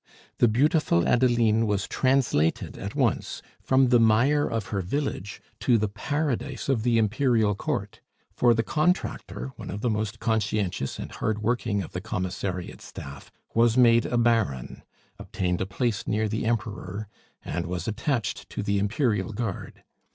The beautiful Adeline was translated at once from the mire of her village to the paradise of the Imperial Court; for the contractor, one of the most conscientious and hard working of the Commissariat staff, was made a Baron, obtained a place near the Emperor, and was attached to the Imperial Guard.